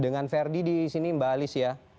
dengan verdi di sini mbak alicia